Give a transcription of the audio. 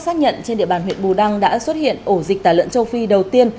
xác nhận trên địa bàn huyện bù đăng đã xuất hiện ổ dịch tả lợn châu phi đầu tiên